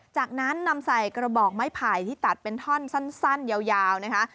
จากนั้นนำใส่กระบอกไม้ไผ่ที่ตัดเป็นท่อนสั้นยาวนะคะ